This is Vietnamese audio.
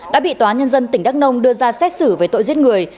đã bị tòa nhân dân tỉnh đắk nông đưa ra xét xử về tội giết người